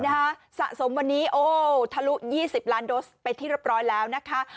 สะสมวันนี้โอ้ทะลุ๒๐ล้านโดสไปที่เรียบร้อยแล้วนะคะ